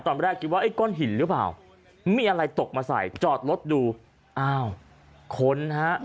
ตอนแรกคิดว่าไอ้ก้นหินหรือเปล่ามีอะไรตกมาใส่จอดรถดูอ้าวคนฮะ